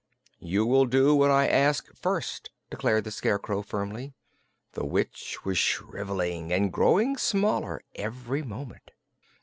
"You will do what I ask first," declared the Scarecrow, firmly. The witch was shriveling and growing smaller every moment.